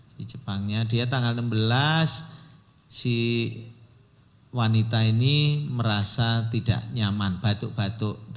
si jepangnya dia tanggal enam belas si wanita ini merasa tidak nyaman batuk batuk